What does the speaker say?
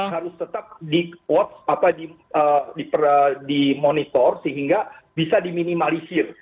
harus tetap di monitor sehingga bisa diminimalisir